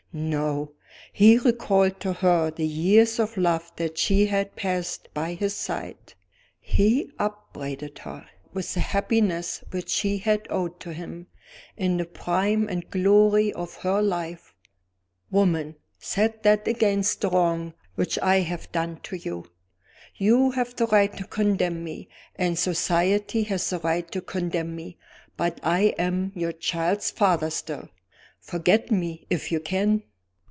No! he recalled to her the years of love that she had passed by his side; he upbraided her with the happiness which she had owed to him, in the prime and glory of her life. Woman! set that against the wrong which I have done to you. You have the right to condemn me, and Society has the right to condemn me but I am your child's father still. Forget me if you can!